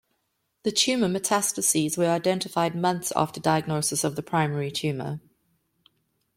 The Tumour metastases were identified months after diagnosis of the primary tumour.